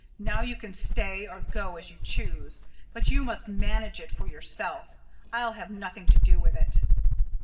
Now you can stay or go as you choose. But you must manage it for yourself; I'll have nothing to do with it."